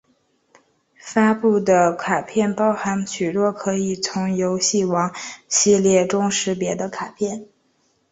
发布的卡片包含许多可以从游戏王系列中识别的卡片！